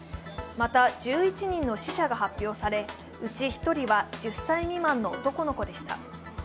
また、１１人の死者が発表されうち１人は１０歳未満の男の子でした。